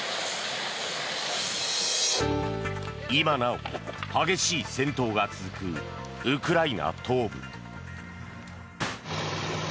今なお激しい戦闘が続くウクライナ東部。